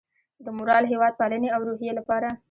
د مورال، هیواد پالنې او روحیې لپاره